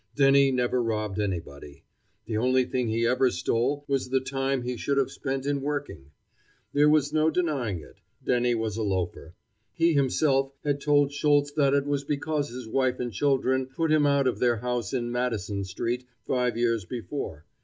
Denny never robbed anybody. The only thing he ever stole was the time he should have spent in working. There was no denying it, Denny was a loafer. He himself had told Schultz that it was because his wife and children put him out of their house in Madison street five years before.